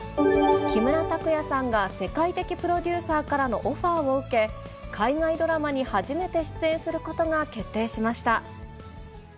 木村拓哉さんが世界的プロデューサーからのオファーを受け、海外ドラマに初めて出演することが決定しました。